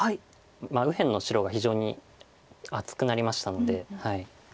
右辺の白が非常に厚くなりましたので。